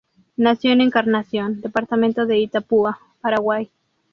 Nació en Encarnación, Departamento de Itapúa, Paraguay.